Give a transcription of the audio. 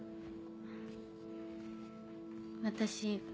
私